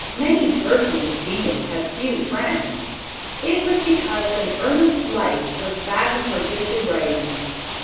many persons of genius have few friends. It was because an earnest life was back of her gifted writings.